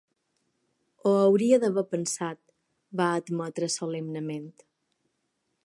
"Ho hauria d'haver pensat", va admetre solemnement.